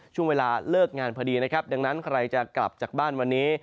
ช่วงเวลาเลิกงานพอดีนะครับดังนั้นใครจะกลับจากบ้านวันนี้